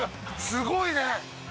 すごいね。